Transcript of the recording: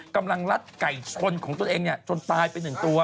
กำลังรัดไก่ชนของตัวเองจนตายไปหนึ่งตัว